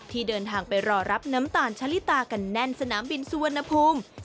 ที่เดินทางไปรอรับน้ำตาลชะลิตากันแน่นสนามบินสุวรรณภูมิ